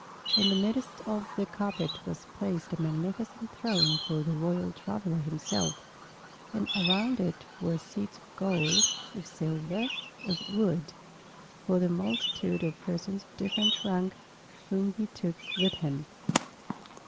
In the midst of this carpet was placed a magnificent throne for the royal traveler himself; and around it were seats of gold, of silver, of wood, for the multitude of persons of different rank whom he took with him.